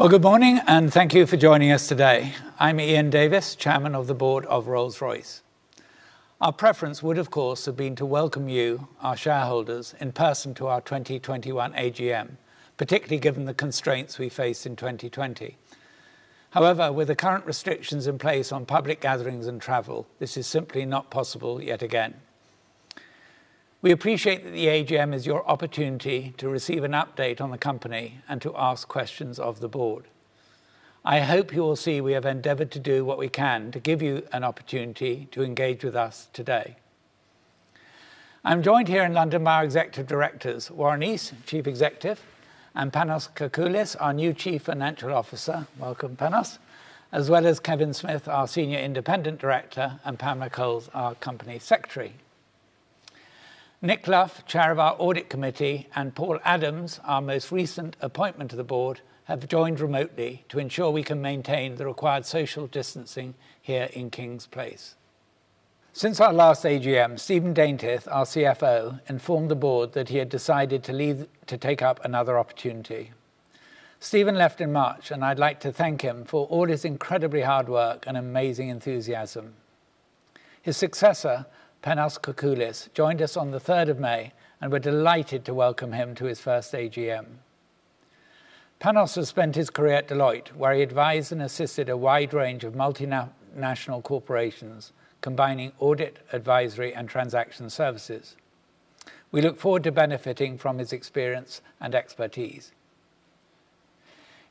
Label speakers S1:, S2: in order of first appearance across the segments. S1: Well, good morning, and thank you for joining us today. I'm Ian Davis, Chairman of the Board of Rolls-Royce. Our preference would, of course, have been to welcome you, our shareholders, in person to our 2021 AGM, particularly given the constraints we faced in 2020. However, with the current restrictions in place on public gatherings and travel, this is simply not possible yet again. We appreciate that the AGM is your opportunity to receive an update on the company and to ask questions of the board. I hope you will see we have endeavored to do what we can to give you an opportunity to engage with us today. I'm joined here in London by our Executive Directors, Warren East, Chief Executive, and Panos Kakoullis, our new Chief Financial Officer. Welcome, Panos. As well as Kevin Smith, our Senior Independent Director, and Pam Coles, our Company Secretary. Nick Luff, Chair of our Audit Committee, and Paul Adams, our most recent appointment to the board, have joined remotely to ensure we can maintain the required social distancing here in Kings Place. Since our last AGM, Stephen Daintith, our CFO, informed the board that he had decided to leave to take up another opportunity. Stephen left in March. I'd like to thank him for all his incredibly hard work and amazing enthusiasm. His successor, Panos Kakoullis, joined us on the 3rd of May, and we're delighted to welcome him to his first AGM. Panos has spent his career at Deloitte, where he advised and assisted a wide range of multinational corporations, combining audit, advisory, and transaction services. We look forward to benefiting from his experience and expertise.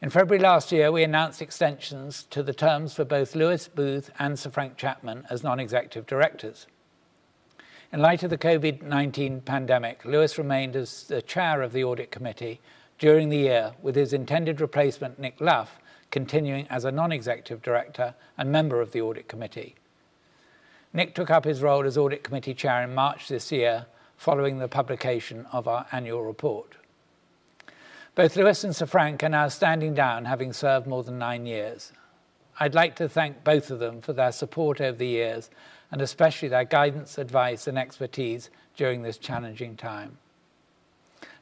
S1: In February last year, we announced extensions to the terms for both Lewis Booth and Sir Frank Chapman as Non-Executive Directors. In light of the COVID-19 pandemic, Lewis remained as the Chair of the Audit Committee during the year with his intended replacement, Nick Luff, continuing as a Non-Executive Director and member of the Audit Committee. Nick took up his role as Audit Committee Chair in March this year following the publication of our annual report. Both Lewis and Sir Frank are now standing down, having served more than nine years. I'd like to thank both of them for their support over the years, and especially their guidance, advice, and expertise during this challenging time.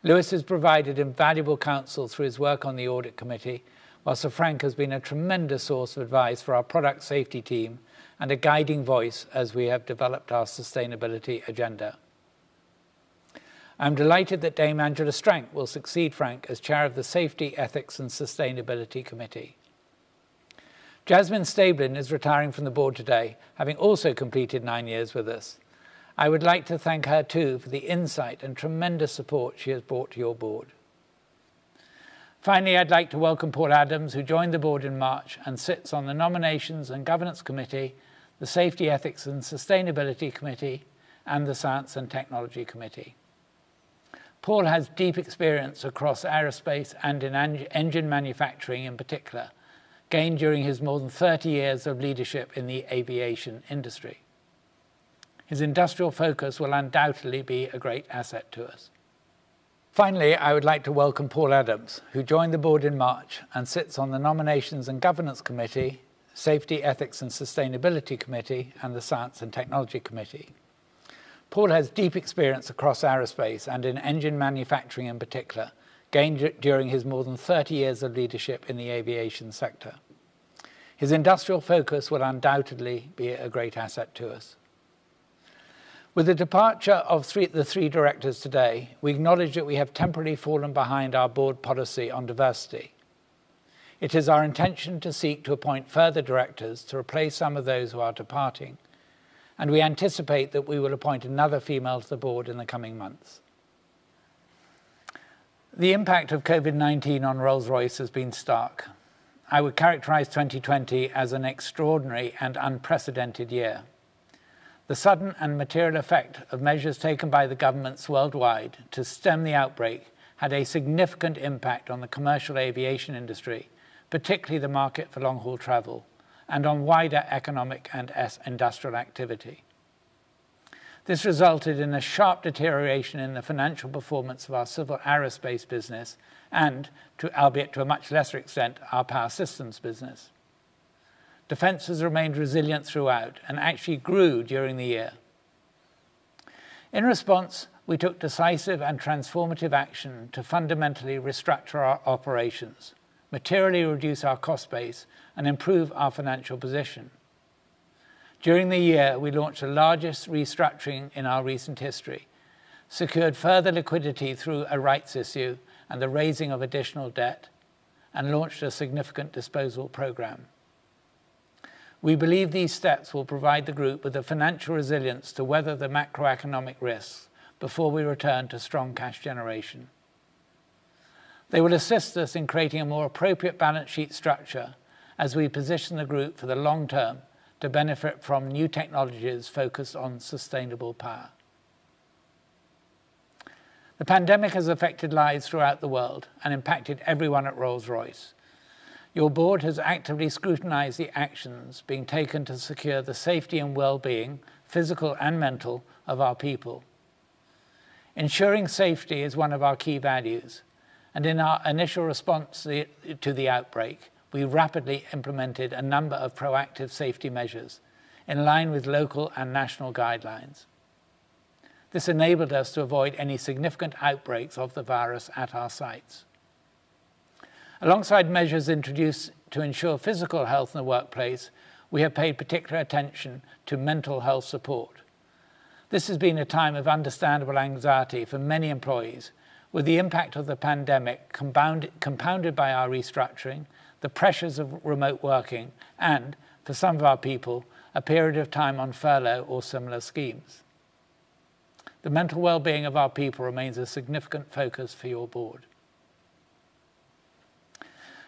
S1: Lewis has provided invaluable counsel through his work on the Audit Committee, while Sir Frank has been a tremendous source of advice for our product safety team and a guiding voice as we have developed our sustainability agenda. I'm delighted that Dame Angela Strank will succeed Frank as Chair of the Safety, Ethics & Sustainability Committee. Jasmin Staiblin is retiring from the board today, having also completed nine years with us. I would like to thank her, too, for the insight and tremendous support she has brought to your board. Finally, I'd like to welcome Paul Adams, who joined the board in March and sits on the Nominations & Governance Committee, the Safety, Ethics & Sustainability Committee, and the Science & Technology Committee. Paul has deep experience across aerospace and in engine manufacturing in particular, gained during his more than 30 years of leadership in the aviation industry. His industrial focus will undoubtedly be a great asset to us. Finally, I would like to welcome Paul Adams, who joined the board in March and sits on the Nominations & Governance Committee, Safety, Ethics & Sustainability Committee, and the Science & Technology Committee. Paul has deep experience across aerospace and in engine manufacturing in particular, gained during his more than 30 years of leadership in the aviation sector. His industrial focus will undoubtedly be a great asset to us. With the departure of the three directors today, we acknowledge that we have temporarily fallen behind our board policy on diversity. It is our intention to seek to appoint further directors to replace some of those who are departing, and we anticipate that we will appoint another female to the board in the coming months. The impact of COVID-19 on Rolls-Royce has been stark. I would characterize 2020 as an extraordinary and unprecedented year. The sudden and material effect of measures taken by the governments worldwide to stem the outbreak had a significant impact on the commercial aviation industry, particularly the market for long-haul travel, and on wider economic and industrial activity. This resulted in a sharp deterioration in the financial performance of our Civil Aerospace business and, albeit to a much lesser extent, our Power Systems business. Defence has remained resilient throughout and actually grew during the year. In response, we took decisive and transformative action to fundamentally restructure our operations, materially reduce our cost base, and improve our financial position. During the year, we launched the largest restructuring in our recent history, secured further liquidity through a rights issue and the raising of additional debt, and launched a significant disposal program. We believe these steps will provide the group with the financial resilience to weather the macroeconomic risks before we return to strong cash generation. They will assist us in creating a more appropriate balance sheet structure as we position the group for the long term to benefit from new technologies focused on sustainable power. The pandemic has affected lives throughout the world and impacted everyone at Rolls-Royce. Your board has actively scrutinized the actions being taken to secure the safety and well-being, physical and mental, of our people. Ensuring safety is one of our key values, and in our initial response to the outbreak, we rapidly implemented a number of proactive safety measures in line with local and national guidelines. This enabled us to avoid any significant outbreaks of the virus at our sites. Alongside measures introduced to ensure physical health in the workplace, we have paid particular attention to mental health support. This has been a time of understandable anxiety for many employees, with the impact of the pandemic compounded by our restructuring, the pressures of remote working, and for some of our people, a period of time on furlough or similar schemes. The mental wellbeing of our people remains a significant focus for your board.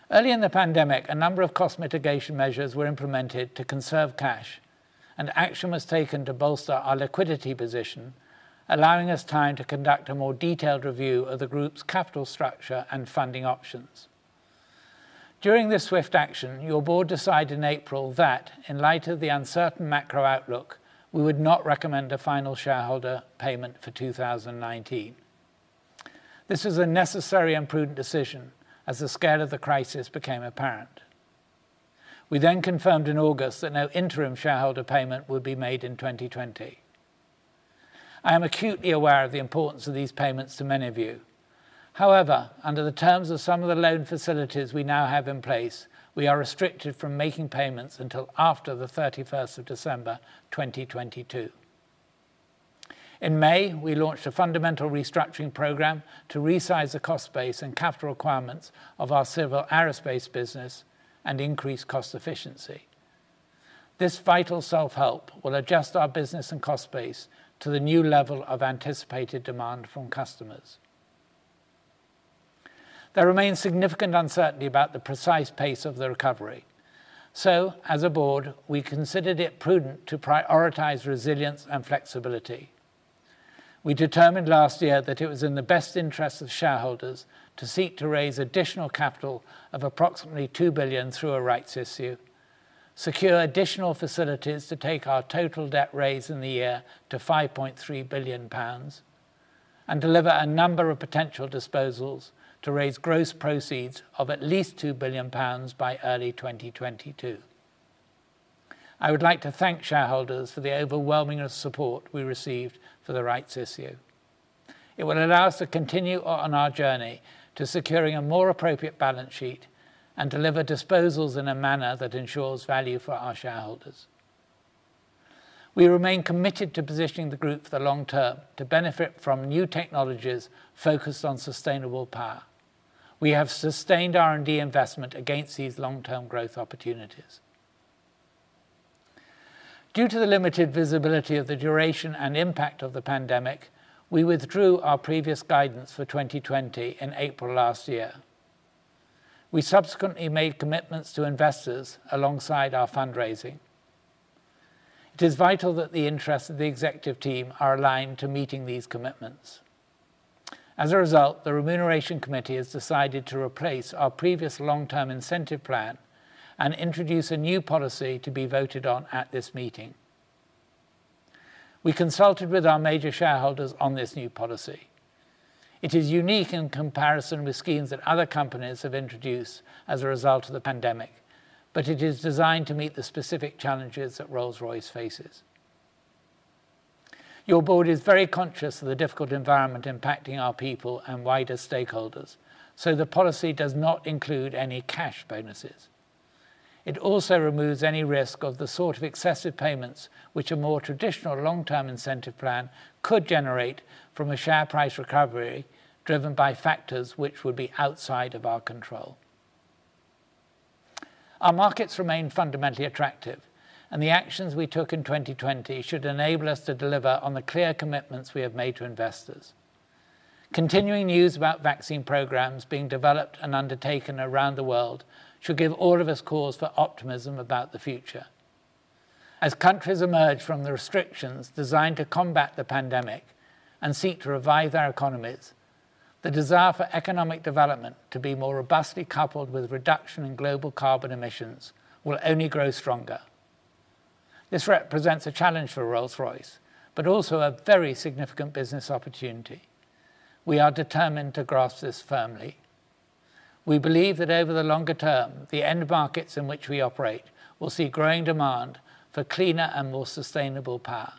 S1: Early in the pandemic, a number of cost mitigation measures were implemented to conserve cash, and action was taken to bolster our liquidity position, allowing us time to conduct a more detailed review of the group's capital structure and funding options. During this swift action, your board decided in April that in light of the uncertain macro outlook, we would not recommend a final shareholder payment for 2019. This was a necessary and prudent decision as the scale of the crisis became apparent. We confirmed in August that no interim shareholder payment would be made in 2020. I am acutely aware of the importance of these payments to many of you. However, under the terms of some of the loan facilities we now have in place, we are restricted from making payments until after the 31st of December 2022. In May, we launched a fundamental restructuring program to resize the cost base and capital requirements of our Civil Aerospace business and increase cost efficiency. This vital self-help will adjust our business and cost base to the new level of anticipated demand from customers. There remains significant uncertainty about the precise pace of the recovery. As a board, we considered it prudent to prioritize resilience and flexibility. We determined last year that it was in the best interest of shareholders to seek to raise additional capital of approximately 2 billion through a rights issue, secure additional facilities to take our total debt raised in the year to 5.3 billion pounds, and deliver a number of potential disposals to raise gross proceeds of at least 2 billion pounds by early 2022. I would like to thank shareholders for the overwhelming support we received for the rights issue. It will allow us to continue on our journey to securing a more appropriate balance sheet and deliver disposals in a manner that ensures value for our shareholders. We remain committed to positioning the group for the long term to benefit from new technologies focused on sustainable power. We have sustained R&D investment against these long-term growth opportunities. Due to the limited visibility of the duration and impact of the pandemic, we withdrew our previous guidance for 2020 in April last year. We subsequently made commitments to investors alongside our fundraising. It is vital that the interests of the executive team are aligned to meeting these commitments. As a result, the Remuneration Committee has decided to replace our previous long-term incentive plan and introduce a new policy to be voted on at this meeting. We consulted with our major shareholders on this new policy. It is unique in comparison with schemes that other companies have introduced as a result of the pandemic, but it is designed to meet the specific challenges that Rolls-Royce faces. Your board is very conscious of the difficult environment impacting our people and wider stakeholders, so the policy does not include any cash bonuses. It also removes any risk of the sort of excessive payments which a more traditional long-term incentive plan could generate from a share price recovery driven by factors which would be outside of our control. Our markets remain fundamentally attractive, and the actions we took in 2020 should enable us to deliver on the clear commitments we have made to investors. Continuing news about vaccine programs being developed and undertaken around the world should give all of us cause for optimism about the future. As countries emerge from the restrictions designed to combat the pandemic and seek to revive their economies, the desire for economic development to be more robustly coupled with reduction in global carbon emissions will only grow stronger. This represents a challenge for Rolls-Royce, but also a very significant business opportunity. We are determined to grasp this firmly. We believe that over the longer term, the end markets in which we operate will see growing demand for cleaner and more sustainable power.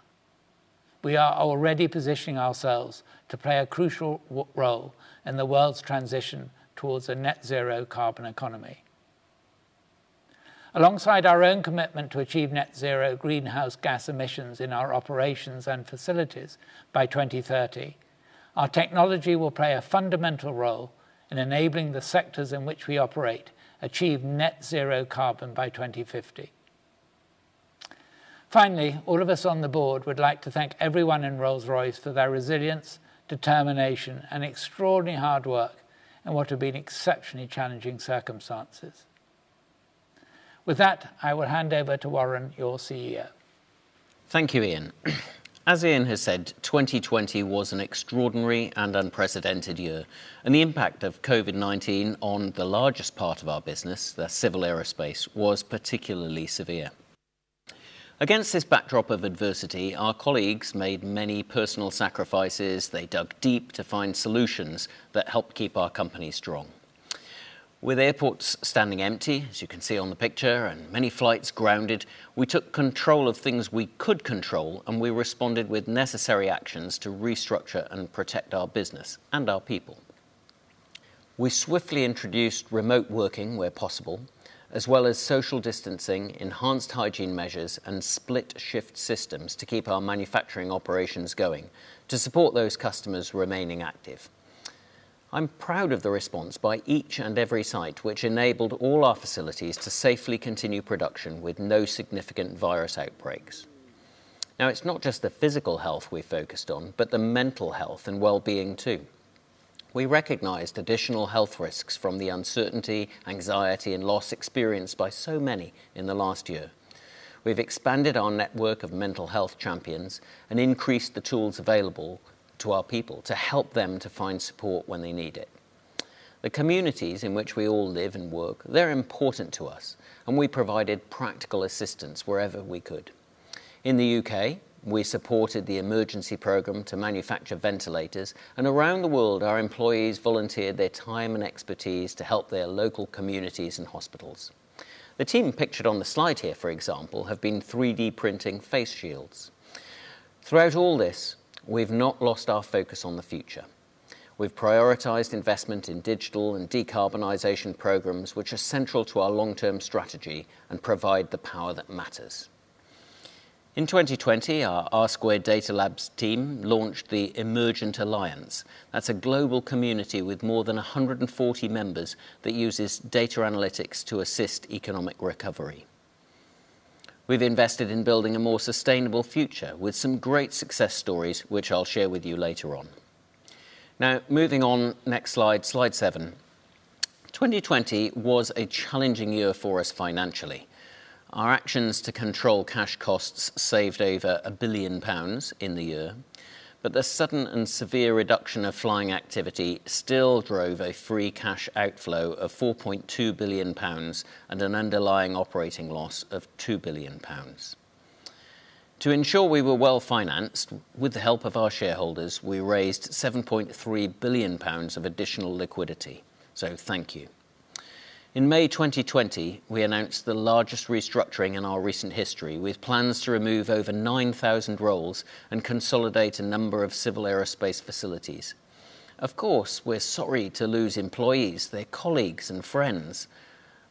S1: We are already positioning ourselves to play a crucial role in the world's transition towards a net zero carbon economy. Alongside our own commitment to achieve net zero greenhouse gas emissions in our operations and facilities by 2030, our technology will play a fundamental role in enabling the sectors in which we operate achieve net zero carbon by 2050. Finally, all of us on the board would like to thank everyone in Rolls-Royce for their resilience, determination, and extraordinary hard work in what have been exceptionally challenging circumstances. With that, I will hand over to Warren, your CEO.
S2: Thank you, Ian. As Ian has said, 2020 was an extraordinary and unprecedented year, and the impact of COVID-19 on the largest part of our business, the Civil Aerospace, was particularly severe. Against this backdrop of adversity, our colleagues made many personal sacrifices. They dug deep to find solutions that helped keep our company strong. With airports standing empty, as you can see on the picture, and many flights grounded, we took control of things we could control, and we responded with necessary actions to restructure and protect our business and our people. We swiftly introduced remote working where possible, as well as social distancing, enhanced hygiene measures, and split-shift systems to keep our manufacturing operations going to support those customers remaining active. I'm proud of the response by each and every site, which enabled all our facilities to safely continue production with no significant virus outbreaks. It's not just the physical health we focused on, but the mental health and wellbeing, too. We recognized additional health risks from the uncertainty, anxiety, and loss experienced by so many in the last year. We've expanded our network of mental health champions and increased the tools available to our people to help them to find support when they need it. The communities in which we all live and work, they're important to us, and we provided practical assistance wherever we could. In the U.K., we supported the emergency program to manufacture ventilators, and around the world, our employees volunteered their time and expertise to help their local communities and hospitals. The team pictured on the slide here, for example, have been 3D printing face shields. Throughout all this, we've not lost our focus on the future. We've prioritized investment in digital and decarbonization programs, which are central to our long-term strategy and provide the power that matters. In 2020, our R2 Data Labs team launched the Emergent Alliance. That's a global community with more than 140 members that uses data analytics to assist economic recovery. We've invested in building a more sustainable future with some great success stories, which I'll share with you later on. Moving on, next slide seven. 2020 was a challenging year for us financially. Our actions to control cash costs saved over 1 billion pounds in the year, the sudden and severe reduction of flying activity still drove a free cash outflow of 4.2 billion pounds and an underlying operating loss of 2 billion pounds. To ensure we were well-financed, with the help of our shareholders, we raised 7.3 billion pounds of additional liquidity. Thank you. In May 2020, we announced the largest restructuring in our recent history, with plans to remove over 9,000 roles and consolidate a number of Civil Aerospace facilities. Of course, we're sorry to lose employees, their colleagues and friends.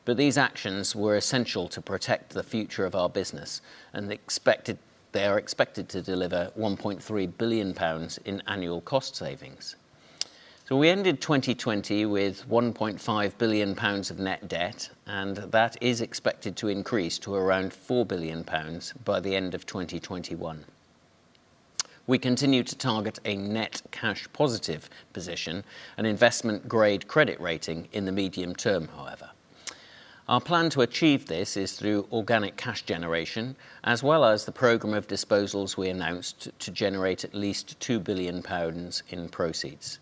S2: These actions were essential to protect the future of our business, and they are expected to deliver 1.3 billion pounds in annual cost savings. We ended 2020 with 1.5 billion pounds of net debt. That is expected to increase to around 4 billion pounds by the end of 2021. We continue to target a net cash positive position and investment-grade credit rating in the medium term, however. Our plan to achieve this is through organic cash generation, as well as the program of disposals we announced to generate at least 2 billion pounds in proceeds.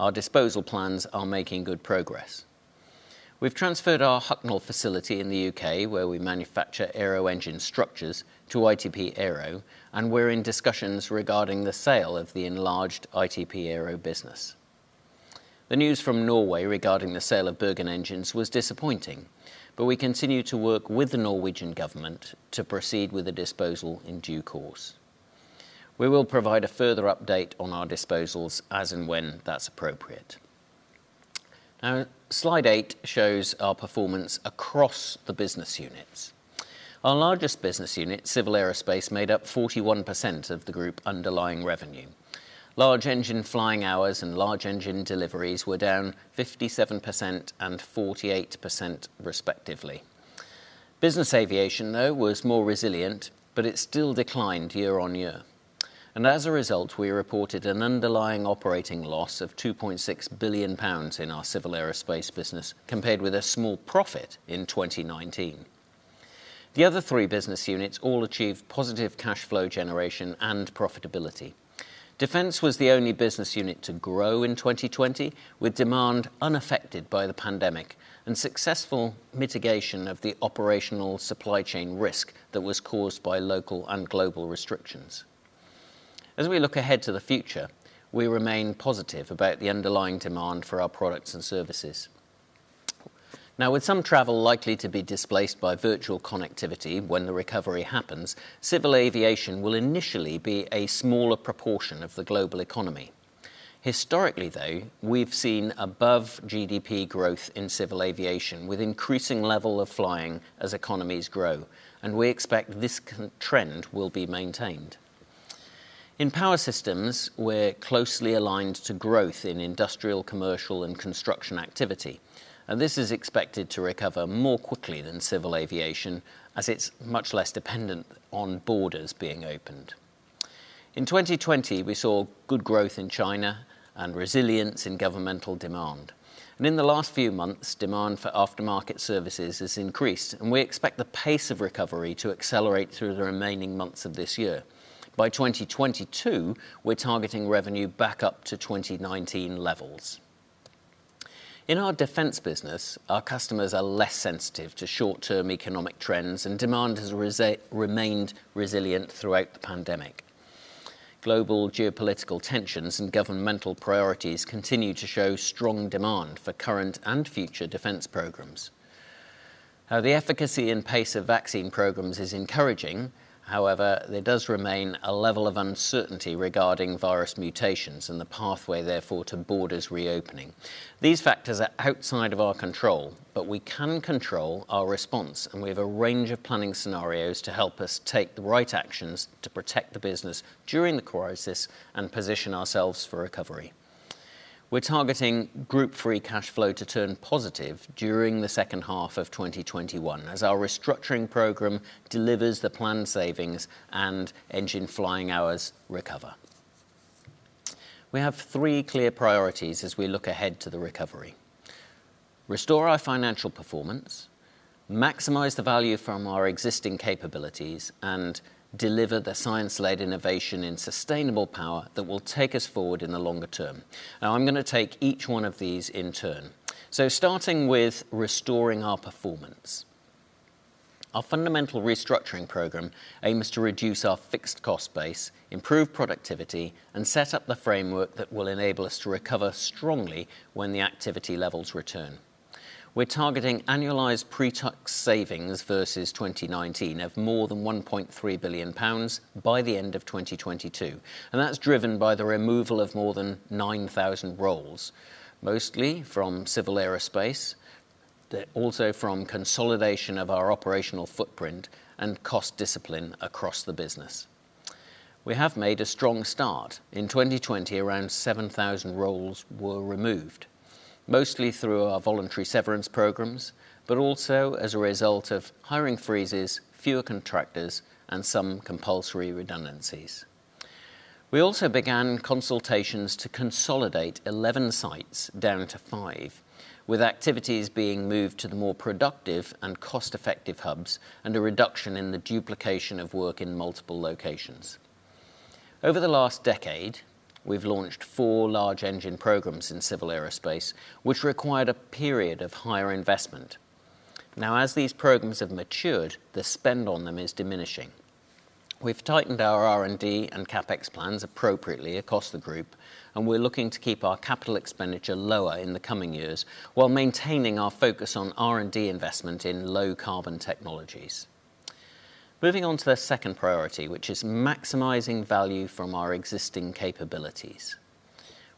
S2: Our disposal plans are making good progress. We've transferred our Hucknall facility in the U.K., where we manufacture aero-engine structures, to ITP Aero, and we're in discussions regarding the sale of the enlarged ITP Aero business. The news from Norway regarding the sale of Bergen Engines was disappointing, but we continue to work with the Norwegian government to proceed with the disposal in due course. We will provide a further update on our disposals as and when that's appropriate. Slide eight shows our performance across the business units. Our largest business unit, Civil Aerospace, made up 41% of the group underlying revenue. Large engine flying hours and large engine deliveries were down 57% and 48%, respectively. Business aviation, though, was more resilient, but it still declined year-on-year. As a result, we reported an underlying operating loss of 2.6 billion pounds in our Civil Aerospace business, compared with a small profit in 2019. The other three business units all achieved positive cash flow generation and profitability. Defense was the only business unit to grow in 2020, with demand unaffected by the pandemic and successful mitigation of the operational supply chain risk that was caused by local and global restrictions. As we look ahead to the future, we remain positive about the underlying demand for our products and services. With some travel likely to be displaced by virtual connectivity when the recovery happens, civil aviation will initially be a smaller proportion of the global economy. Historically, though, we've seen above GDP growth in civil aviation with increasing level of flying as economies grow, and we expect this trend will be maintained. In Power Systems, we're closely aligned to growth in industrial, commercial, and construction activity. This is expected to recover more quickly than civil aviation, as it's much less dependent on borders being opened. In 2020, we saw good growth in China and resilience in governmental demand. In the last few months, demand for aftermarket services has increased, and we expect the pace of recovery to accelerate through the remaining months of this year. By 2022, we're targeting revenue back up to 2019 levels. In our Defence business, our customers are less sensitive to short-term economic trends, and demand has remained resilient throughout the pandemic. Global geopolitical tensions and governmental priorities continue to show strong demand for current and future defense programs. The efficacy and pace of vaccine programs is encouraging. However, there does remain a level of uncertainty regarding virus mutations and the pathway therefore to borders reopening. These factors are outside of our control, but we can control our response, and we have a range of planning scenarios to help us take the right actions to protect the business during the crisis and position ourselves for recovery. We're targeting Group free cash flow to turn positive during the second half of 2021 as our restructuring program delivers the planned savings and engine flying hours recover. We have three clear priorities as we look ahead to the recovery: restore our financial performance, maximize the value from our existing capabilities, and deliver the science-led innovation in sustainable power that will take us forward in the longer term. Now, I'm going to take each one of these in turn. Starting with restoring our performance. Our fundamental restructuring program aims to reduce our fixed cost base, improve productivity, and set up the framework that will enable us to recover strongly when the activity levels return. We're targeting annualized pre-tax savings versus 2019 of more than 1.3 billion pounds by the end of 2022, and that's driven by the removal of more than 9,000 roles, mostly from Civil Aerospace. They're also from consolidation of our operational footprint and cost discipline across the business. We have made a strong start. In 2020, around 7,000 roles were removed, mostly through our voluntary severance programs, but also as a result of hiring freezes, fewer contractors, and some compulsory redundancies. We also began consultations to consolidate 11 sites down to five, with activities being moved to the more productive and cost-effective hubs and a reduction in the duplication of work in multiple locations. Over the last decade, we've launched four large engine programs in Civil Aerospace, which required a period of higher investment. Now, as these programs have matured, the spend on them is diminishing. We've tightened our R&D and CapEx plans appropriately across the group, and we're looking to keep our capital expenditure lower in the coming years while maintaining our focus on R&D investment in low carbon technologies. Moving on to the second priority, which is maximizing value from our existing capabilities.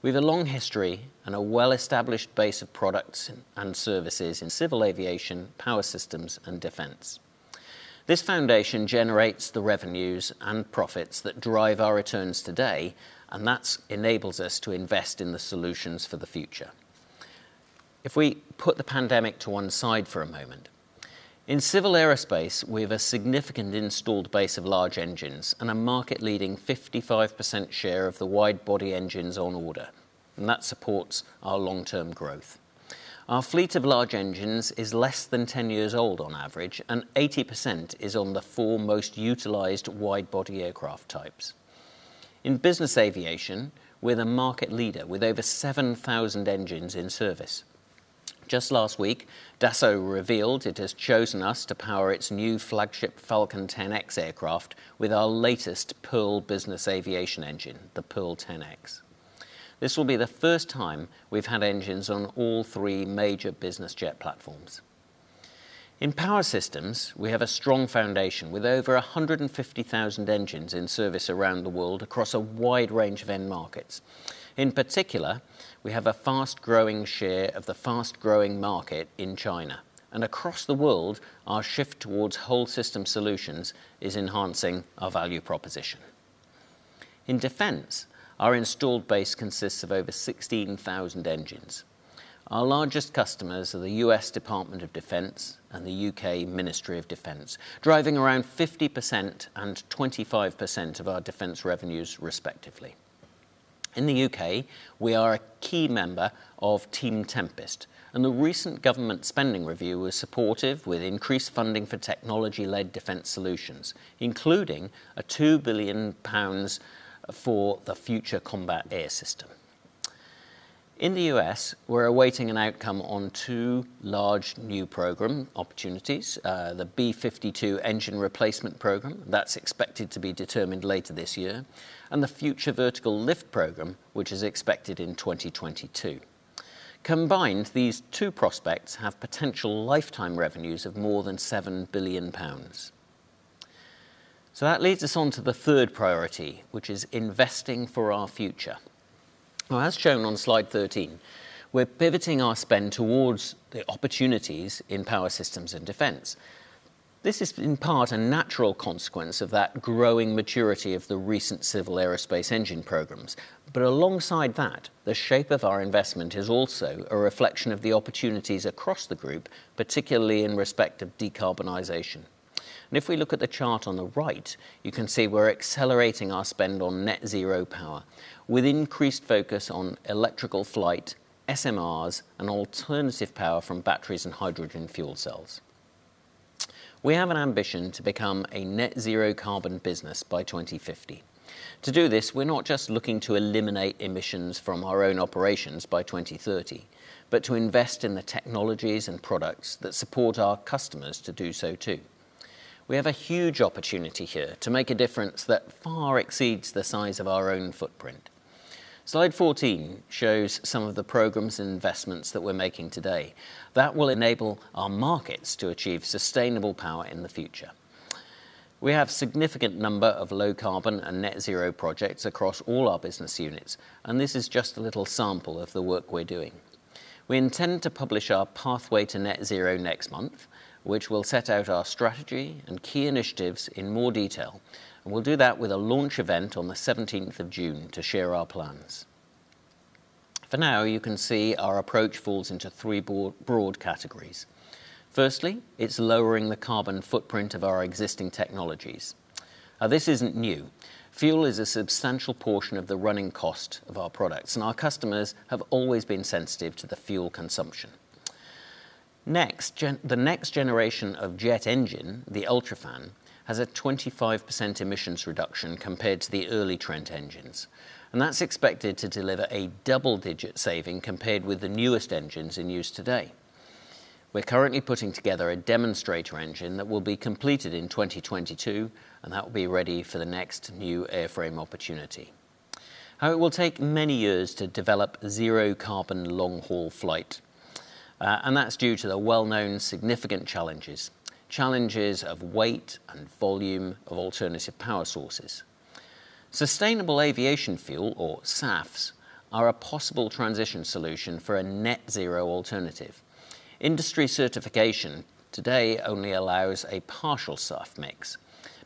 S2: We've a long history and a well-established base of products and services in civil aviation, Power Systems, and Defence. This foundation generates the revenues and profits that drive our returns today, and that enables us to invest in the solutions for the future. If we put the pandemic to one side for a moment, in Civil Aerospace, we've a significant installed base of large engines and a market-leading 55% share of the wide body engines on order, that supports our long-term growth. Our fleet of large engines is less than 10 years old on average, 80% is on the 4 most utilized wide body aircraft types. In business aviation, we're the market leader with over 7,000 engines in service. Just last week, Dassault revealed it has chosen us to power its new flagship Falcon 10X aircraft with our latest Pearl business aviation engine, the Pearl 10X. This will be the first time we've had engines on all three major business jet platforms. In Power Systems, we have a strong foundation with over 150,000 engines in service around the world across a wide range of end markets. In particular, we have a fast-growing share of the fast-growing market in China, and across the world, our shift towards whole system solutions is enhancing our value proposition. In defense, our installed base consists of over 16,000 engines. Our largest customers are the U.S. Department of Defense and the U.K. Ministry of Defence, driving around 50% and 25% of our defense revenues respectively. In the U.K., we are a key member of Team Tempest, and the recent government spending review was supportive with increased funding for technology-led defense solutions, including 2 billion pounds for the Future Combat Air System. In the U.S., we're awaiting an outcome on two large new program opportunities: the B-52 engine replacement program, that's expected to be determined later this year, and the Future Vertical Lift program, which is expected in 2022. Combined, these two prospects have potential lifetime revenues of more than 7 billion pounds. That leads us on to the third priority, which is investing for our future. Now, as shown on slide 13, we're pivoting our spend towards the opportunities in Power Systems and Defence. This is in part a natural consequence of that growing maturity of the recent Civil Aerospace engine programs. Alongside that, the shape of our investment is also a reflection of the opportunities across the group, particularly in respect of decarbonization. If we look at the chart on the right, you can see we're accelerating our spend on net zero power with increased focus on electrical flight, SMRs, and alternative power from batteries and hydrogen fuel cells. We have an ambition to become a net zero carbon business by 2050. To do this, we're not just looking to eliminate emissions from our own operations by 2030, but to invest in the technologies and products that support our customers to do so, too. We have a huge opportunity here to make a difference that far exceeds the size of our own footprint. Slide 14 shows some of the programs and investments that we're making today that will enable our markets to achieve sustainable power in the future. We have a significant number of low carbon and net zero projects across all our business units, and this is just a little sample of the work we're doing. We intend to publish our pathway to net zero next month, which will set out our strategy and key initiatives in more detail, and we'll do that with a launch event on the 17th of June to share our plans. For now, you can see our approach falls into 3 broad categories. Firstly, it's lowering the carbon footprint of our existing technologies. This isn't new. Fuel is a substantial portion of the running cost of our products, and our customers have always been sensitive to the fuel consumption. The next generation of jet engine, the UltraFan, has a 25% emissions reduction compared to the early Trent engines, and that's expected to deliver a double-digit saving compared with the newest engines in use today. We're currently putting together a demonstrator engine that will be completed in 2022, and that will be ready for the next new airframe opportunity. It will take many years to develop zero-carbon long-haul flight, and that's due to the well-known significant challenges. Challenges of weight and volume of alternative power sources. Sustainable Aviation Fuel, or SAFs, are a possible transition solution for a net zero alternative. Industry certification today only allows a partial SAF mix,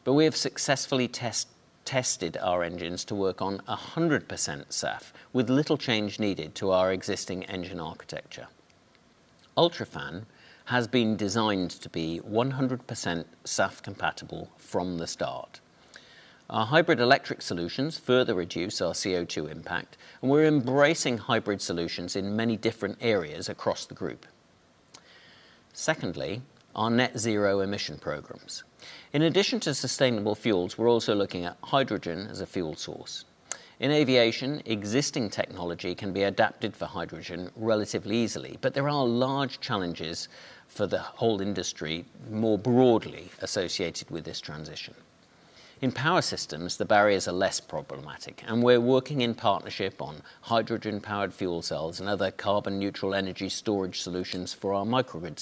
S2: but we have successfully tested our engines to work on 100% SAF with little change needed to our existing engine architecture. UltraFan has been designed to be 100% SAF-compatible from the start. Our hybrid electric solutions further reduce our CO2 impact, and we're embracing hybrid solutions in many different areas across the group. Secondly, our net zero emission programs. In addition to sustainable fuels, we're also looking at hydrogen as a fuel source. In aviation, existing technology can be adapted for hydrogen relatively easily, but there are large challenges for the whole industry more broadly associated with this transition. In Power Systems, the barriers are less problematic, and we're working in partnership on hydrogen-powered fuel cells and other carbon-neutral energy storage solutions for our microgrid.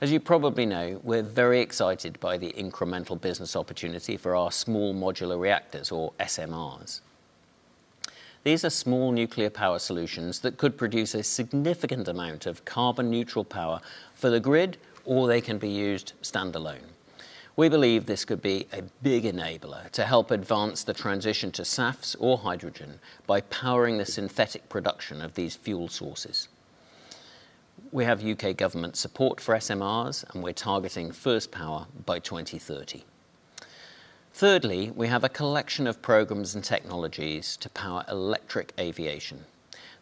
S2: As you probably know, we're very excited by the incremental business opportunity for our small modular reactors, or SMRs. These are small nuclear power solutions that could produce a significant amount of carbon-neutral power for the grid, or they can be used standalone. We believe this could be a big enabler to help advance the transition to SAFs or hydrogen by powering the synthetic production of these fuel sources. We have U.K. government support for SMRs, and we're targeting first power by 2030. Thirdly, we have a collection of programs and technologies to power electric aviation.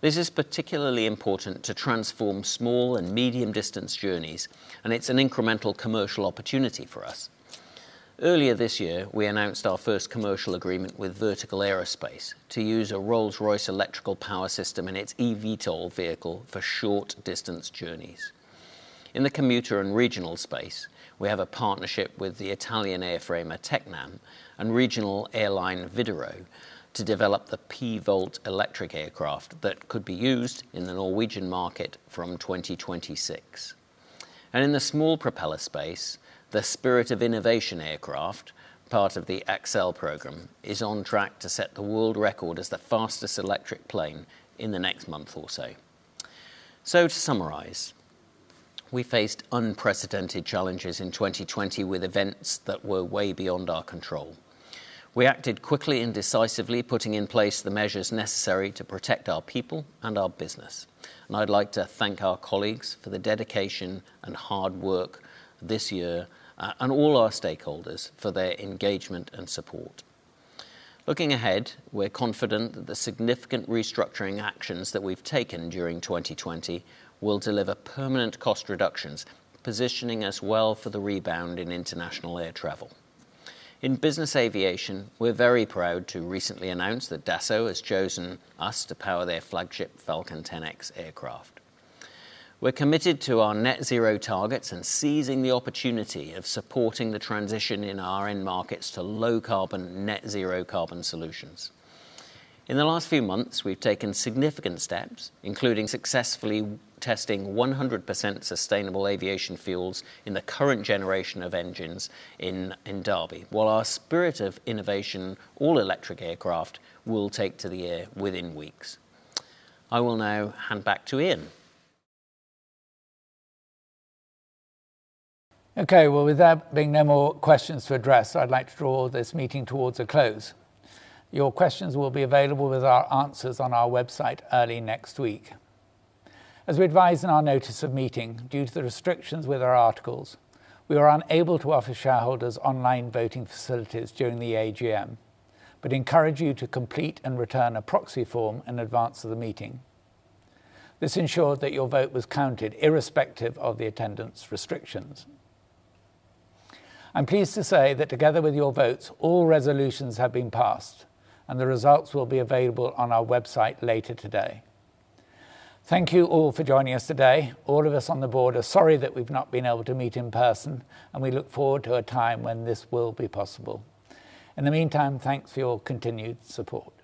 S2: This is particularly important to transform small and medium-distance journeys, and it's an incremental commercial opportunity for us. Earlier this year, we announced our first commercial agreement with Vertical Aerospace to use a Rolls-Royce electrical power system in its eVTOL vehicle for short-distance journeys. In the commuter and regional space, we have a partnership with the Italian airframer Tecnam and regional airline Widerøe to develop the P-Volt electric aircraft that could be used in the Norwegian market from 2026. In the small propeller space, the Spirit of Innovation aircraft, part of the ACCEL program, is on track to set the world record as the fastest electric plane in the next month or so. To summarize, we faced unprecedented challenges in 2020 with events that were way beyond our control. We acted quickly and decisively, putting in place the measures necessary to protect our people and our business, and I'd like to thank our colleagues for the dedication and hard work this year, and all our stakeholders for their engagement and support. Looking ahead, we're confident that the significant restructuring actions that we've taken during 2020 will deliver permanent cost reductions, positioning us well for the rebound in international air travel. In business aviation, we're very proud to recently announce that Dassault has chosen us to power their flagship Falcon 10X aircraft. We're committed to our net zero targets and seizing the opportunity of supporting the transition in our end markets to low carbon, net zero carbon solutions. In the last few months, we've taken significant steps, including successfully testing 100% sustainable aviation fuels in the current generation of engines in Derby, while our Spirit of Innovation all-electric aircraft will take to the air within weeks. I will now hand back to Ian.
S1: Okay. Well, with there being no more questions to address, I'd like to draw this meeting towards a close. Your questions will be available with our answers on our website early next week. As we advised in our notice of meeting, due to the restrictions with our articles, we were unable to offer shareholders online voting facilities during the AGM, but encourage you to complete and return a proxy form in advance of the meeting. This ensured that your vote was counted irrespective of the attendance restrictions. I'm pleased to say that together with your votes, all resolutions have been passed, and the results will be available on our website later today. Thank you all for joining us today. All of us on the board are sorry that we've not been able to meet in person, and we look forward to a time when this will be possible. In the meantime, thanks for your continued support.